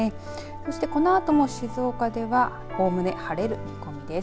そして、このあとも静岡ではおおむね晴れる見込みです。